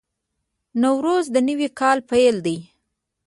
نوروز د نوي کال پیل دی.